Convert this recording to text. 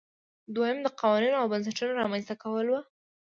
دویم د قوانینو او بنسټونو رامنځته کول وو.